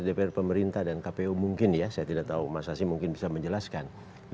ya itu dari pemerintah dan kpu mungkin ya saya tidak tahu mas asyik mungkin bisa menjelaskan